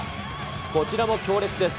こちらも強烈です。